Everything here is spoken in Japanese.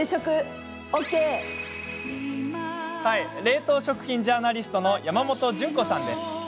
冷凍食品ジャーナリストの山本純子さんです。